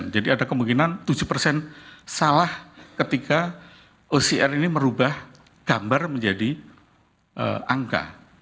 jadi ada kemungkinan tujuh salah ketika ocr ini merubah gambar menjadi angka